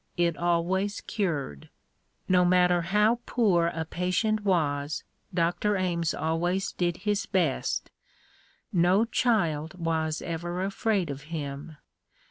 It always cured. No matter how poor a patient was, Dr. Ames always did his best. No child was ever afraid of him.